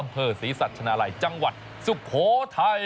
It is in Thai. อำเภอศรีสัชนาลัยจังหวัดสุโขทัย